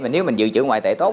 nếu mình dự trữ ngoại tệ tốt